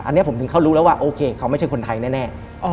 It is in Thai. อันนี้ผมถึงเขารู้แล้วว่าโอเคเขาไม่ใช่คนไทยแน่